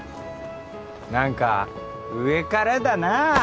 なんか上からだな。